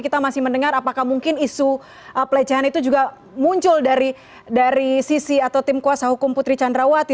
kita masih mendengar apakah mungkin isu pelecehan itu juga muncul dari sisi atau tim kuasa hukum putri candrawati